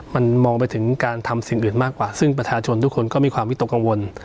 มันมองไปถึงการทำสิ่งอื่นมากกว่าซึ่งประชาชนทุกคนก็มีความวิตกกังวล